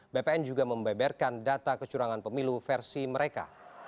bpn juga membeberkan data kecurangan pemilu versi mereka